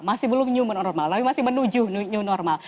masih belum new normal tapi masih menuju new normal